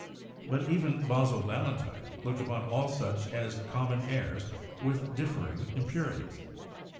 But even Basil Valentine looked upon all such as common airs with differing im purities.